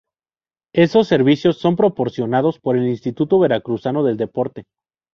Esos servicios son proporcionados por el Instituto Veracruzano del Deporte.